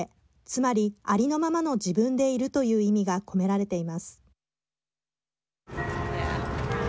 つまり、ありのままの自分でいるという意味が込められています。